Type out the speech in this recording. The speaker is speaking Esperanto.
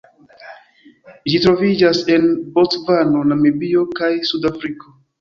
Ĝi troviĝas en Bocvano, Namibio kaj Sudafriko.